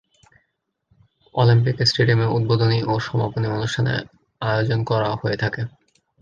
Olympic স্টেডিয়ামে উদ্বোধনী ও সমাপনী অনুষ্ঠানের আয়োজন করা হয়ে থাকে।